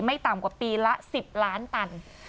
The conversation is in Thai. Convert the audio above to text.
ต่ำกว่าปีละ๑๐ล้านตัน